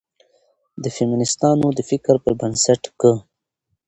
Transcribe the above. د فيمنستانو د فکر پر بنسټ، که